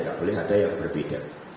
tidak boleh ada yang berbeda